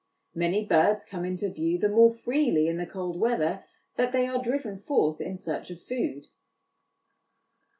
Many birds come into view the more freely in the cold weather that they are driven forth in search of food.